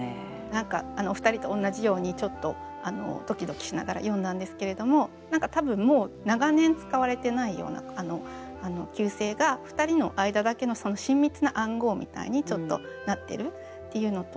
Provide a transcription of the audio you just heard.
何かお二人と同じようにちょっとドキドキしながら読んだんですけれども多分もう長年使われてないような旧姓が２人の間だけの親密な暗号みたいになってるっていうのと。